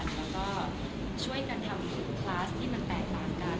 แล้วก็ช่วยกันทำคลาสที่มันแตกต่างกัน